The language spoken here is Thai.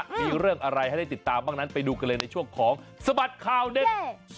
มีเรื่องอะไรให้ได้ติดตามบ้างนั้นไปดูกันเลยในช่วงของสบัดข่าวเด็ด